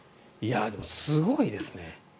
でもすごいですね。